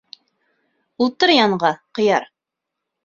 — Ултыр янға, ҡыяр.